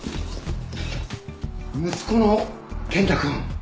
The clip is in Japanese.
息子の健太くん